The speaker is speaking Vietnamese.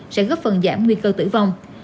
sẽ góp phần giảm nguy cơ tử vong